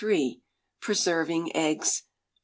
Preserving Eggs (2).